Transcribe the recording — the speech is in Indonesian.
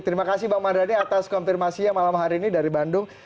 terima kasih bang mardani atas konfirmasi yang malam hari ini dari bandung